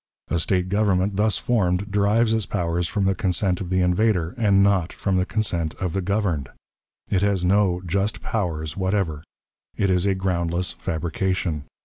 A State government thus formed derives its powers from the consent of the invader, and not "from the consent of the governed." It has no "just powers" whatever. It is a groundless fabrication.